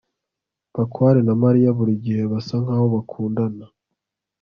bakware na mariya burigihe basa nkaho bakundana